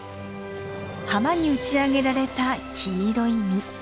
浜に打ち上げられた黄色い実。